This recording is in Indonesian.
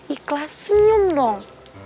ikhlas senyum dong